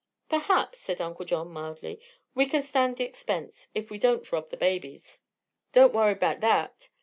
"Perhaps," said Uncle John mildly, "we can stand the expense if we won't rob the babies." "Don't worry 'bout thet.